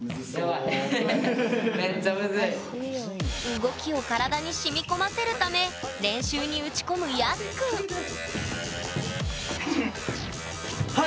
動きを体にしみこませるため練習に打ち込むＹＡＳＵくんはい！